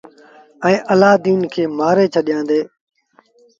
ائيٚݩ الآدين کي مآري ڇڏيآندي۔